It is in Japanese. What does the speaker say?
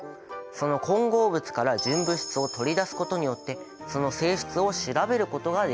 その混合物から純物質を取り出すことによってその性質を調べることができる。